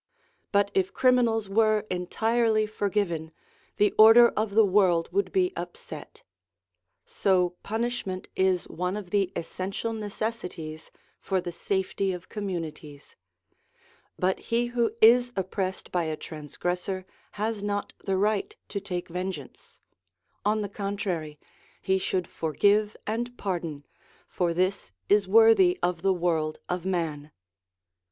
But if criminals were entirely forgiven, the order of the world would be upset. So punishment is one of the essential necessities for the safety of com munities ; but he who is oppressed by a transgressor has not the right to take vengeance : on the contrary, he should forgive and pardon, for this is worthy of the world of man.